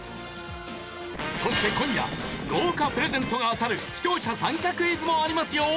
そして今夜豪華プレゼントが当たる視聴者参加クイズもありますよ。